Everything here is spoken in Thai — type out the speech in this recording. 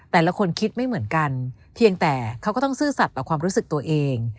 แต่ละคนคิดไม่เหมือนกันเพียงแต่เขาก็ต้องซื่อสัตว์ต่อความรู้สึกตัวเอง